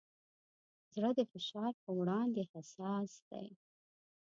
زړه د فشار پر وړاندې حساس دی.